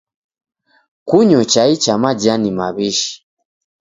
Kunyo chai cha majani maw'ishi.